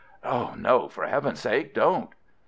"No, for Heaven's sake, don't."